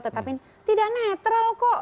tetapi tidak netral kok